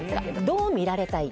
どう見られたい。